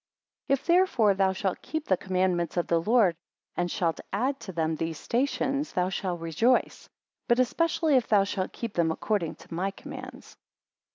26 If therefore thou shalt keep the commandments of the Lord, and shalt add to them these stations, thou shall rejoice; but especially if thou shalt keep them according to my commands.